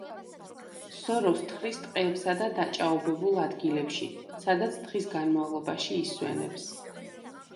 სოროს თხრის ტყეებსა და დაჭაობებულ ადგილებში, სადაც დღის განმავლობაში ისვენებს.